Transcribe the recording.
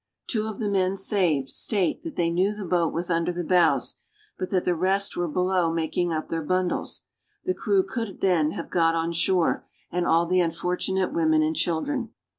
Two of the men saved, state that they knew the boat was under the bows, but that the rest were below making up their bundles. The crew could then have got on shore, and all the unfortunate women and children.